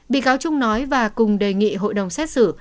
bị cáo trung nói và cùng đề nghị hội đồng xét xử